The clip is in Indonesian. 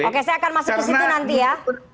oke saya akan masuk ke situ nanti ya